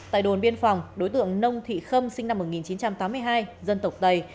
tại đồn biên phòng đối tượng nông thị khâm sinh năm một nghìn chín trăm tám mươi hai dân tộc tây